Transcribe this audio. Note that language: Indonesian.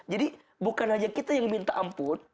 jadi bukan hanya kita yang minta ampun